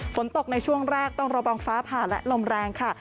ฝนตกในช่วงแรกต้องระวังฟ้าผ่าและลมแรงค่ะ